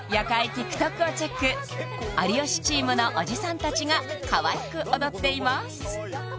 ＴｉｋＴｏｋをチェック有吉チームのおじさん達がかわいく踊っています